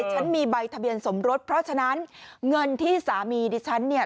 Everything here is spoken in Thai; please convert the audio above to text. ฉันมีใบทะเบียนสมรสเพราะฉะนั้นเงินที่สามีดิฉันเนี่ย